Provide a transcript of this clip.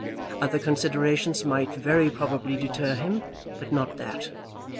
Other considerations might very probably deter him, but not that.